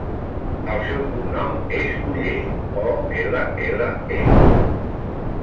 El seu cognom és Olle: o, ela, ela, e.